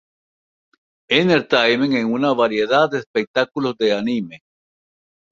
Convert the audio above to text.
Entertainment en una variedad de espectáculos de anime.